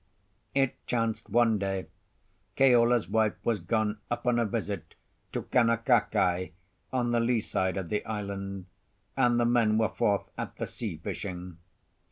It chanced one day Keola's wife was gone upon a visit to Kaunakakai, on the lee side of the island, and the men were forth at the sea fishing.